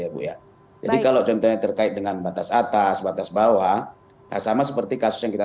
ya bu ya jadi kalau contohnya terkait dengan batas atas batas bawah sama seperti kasus yang kita